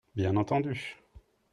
Bien entendu.